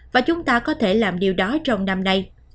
và chúng ta có thể làm điều đó trong năm nay